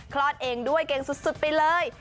คลอดเองด้วยเก่งสุดไปเลย